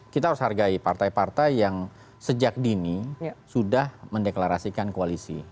kita harus hargai partai partai yang sejak dini sudah mendeklarasikan koalisi